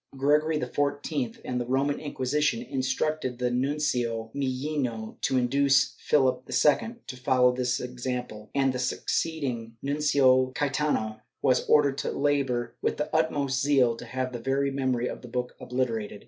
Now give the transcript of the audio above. Gregory XIV and the Roman Inquisition instructed the Nuncio Millino to induce Philip II to follow this example, and the succeed ing Nuncio Caietano was ordered to labor with the utmost zeal to have the very memory of the book obliterated.